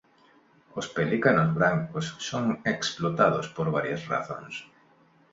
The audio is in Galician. Os pelicanos brancos son explotados por varias razóns.